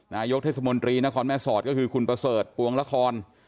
นายกเทศมนตรีนครแม่สอดก็คือคุณประเสริฐปวงละคร